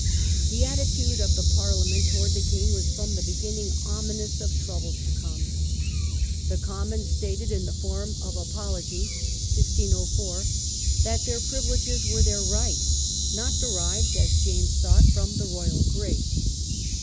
The attitude of the Parliament toward the king was from the beginning ominous of troubles to come. The The feeling of Commons stated in the "Form of Apology" Parliament. (1604) that their privileges were their "right", not derived, as James thought, from the royal "grace".